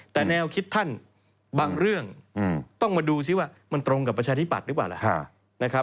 แต่แนวคิดท่านบางเรื่องต้องมาดูซิว่ามันตรงกับประชาธิบัตย์หรือเปล่าล่ะ